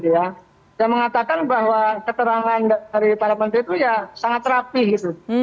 yang mengatakan bahwa keterangan lain dari para menteri itu ya sangat rapih gitu